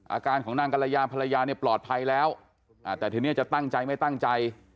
อาการของนางกรยาภรรยาเนี่ยปลอดภัยแล้วแต่ทีนี้จะตั้งใจไม่ตั้งใจ